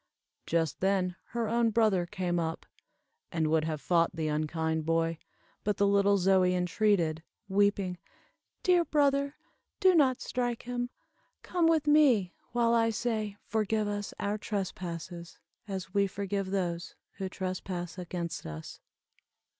Just then her own brother came up, and would have fought the unkind boy, but the little Zoie entreated, weeping, "Dear brother, do not strike him. Come with me, while I say, 'Forgive us our trespasses, as we forgive those who trespass against us.